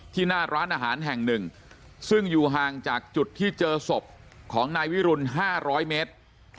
หน้าร้านอาหารแห่งหนึ่งซึ่งอยู่ห่างจากจุดที่เจอศพของนายวิรุณ๕๐๐เมตร